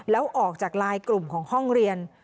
แล้วออกจากลายกลุ่มของห้องเรียน